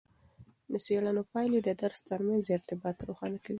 د څیړنو پایلې د درس ترمنځ ارتباطات روښانه کوي.